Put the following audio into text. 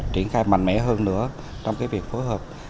triển khai mạnh mẽ hơn nữa trong việc phối hợp